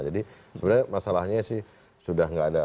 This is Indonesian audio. jadi sebenarnya masalahnya sih